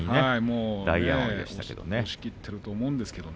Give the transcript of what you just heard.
押しきっていると思うんですけどもね。